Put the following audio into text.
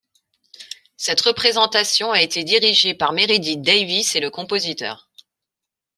Cette représentation a été dirigée par Meredith Davies et le compositeur.